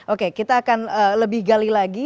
oke kita akan lebih gali lagi